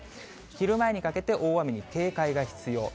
昼前にかけて大雨に警戒が必要。